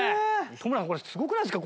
戸村さんこれすごくないですか？